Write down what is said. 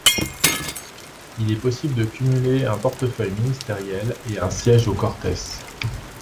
Il est possible de cumuler un portefeuille ministériel et un siège aux Cortes.